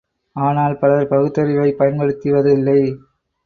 ஆனால், பலர் பகுத்தறிவைப் பயன்படுத்துவதில்லை.